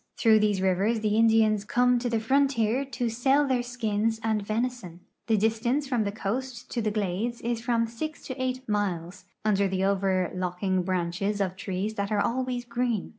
Through these rivers the Indians come to the frontier to sell their skins and venison. The distance from the coast to the glades is from 6 to 8 miles, under the overlooking branches of trees that are always green.